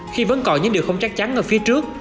khi vẫn còn những điều không chắc chắn ở phía trước